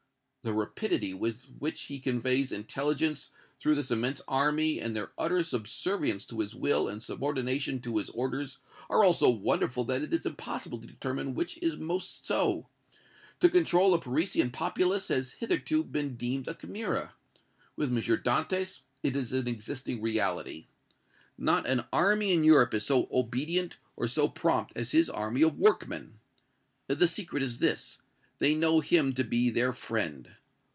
The rapidity with which he conveys intelligence through this immense army and their utter subservience to his will and subordination to his orders are all so wonderful that it is impossible to determine which is most so. To control a Parisian populace has hitherto been deemed a chimera. With M. Dantès it is an existing reality. Not an army in Europe is so obedient or so prompt as his army of workmen. The secret is this they know him to be their friend.